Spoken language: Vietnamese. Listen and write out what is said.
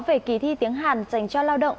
về kỳ thi tiếng hàn dành cho lao động